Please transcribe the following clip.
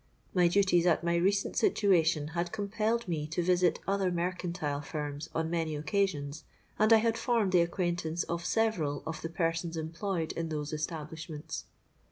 My duties at my recent situation had compelled me to visit other mercantile firms on many occasions; and I had formed the acquaintance of several of the persons employed in those establishments.